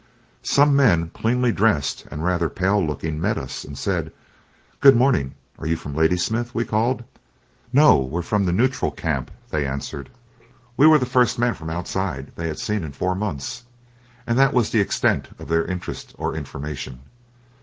Some men, cleanly dressed and rather pale looking, met us and said: "Good morning." "Are you from Ladysmith?" we called. "No, we're from the neutral camp," they answered. We were the first men from outside they had seen in four months, and that was the extent of their interest or information.